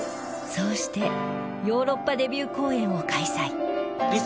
そうしてヨーロッパデビュー公演を開催